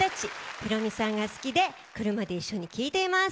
ヒロミさんが好きで、車で一緒に聴いています。